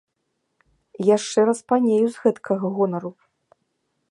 Яшчэ распанею з гэткага гонару.